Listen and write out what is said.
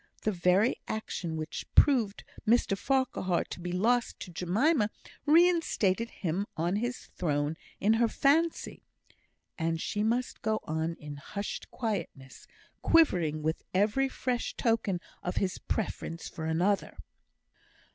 The very action which proved Mr Farquhar to be lost to Jemima reinstated him on his throne in her fancy. And she must go on in hushed quietness, quivering with every fresh token of his preference for another!